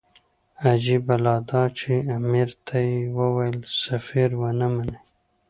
عجیبه لا دا چې امیر ته یې وویل سفیر ونه مني.